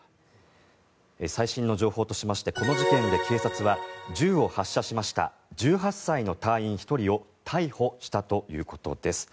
最新の情報としましてこの事件で警察は銃を発射しました１８歳の隊員１人を逮捕したということです。